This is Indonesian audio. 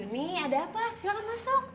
bu yuni ada apa silahkan masuk